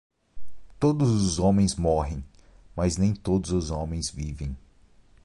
Todos os homens morrem, mas nem todos os homens vivem